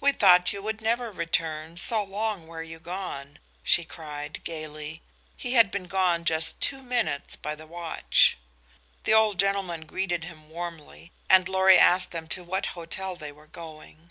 "We thought you would never return, so long were you gone," she cried, gaily. He had been gone just two minutes by the watch! The old gentleman greeted him warmly, and Lorry asked them to what hotel they were going.